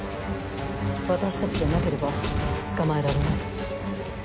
私たちでなければ捕まえられない。